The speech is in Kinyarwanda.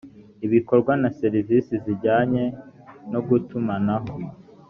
ibikorwa na serivisi zijyanye no gutumanaho